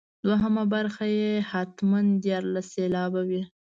دوهمه برخه یې حتما دیارلس سېلابه وي.